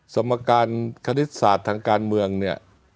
สมการคณิตศาสตร์ทางการเมืองเนี่ย